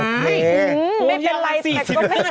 ไม่เป็นไรแต่ตัวไม่ควรเลียง